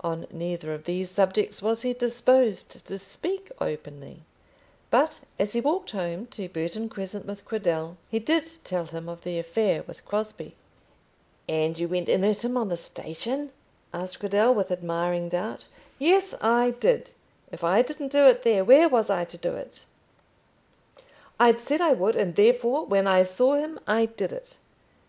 On neither of these subjects was he disposed to speak openly; but as he walked home to Burton Crescent with Cradell, he did tell him of the affair with Crosbie. "And you went in at him on the station?" asked Cradell, with admiring doubt. [ILLUSTRATION: "And you went in at him on the station?"] "Yes, I did. If I didn't do it there, where was I to do it? I'd said I would, and therefore when I saw him I did it."